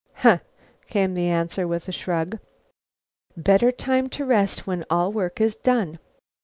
"Huh," came the answer, with a shrug. "Better time to rest when all work is done.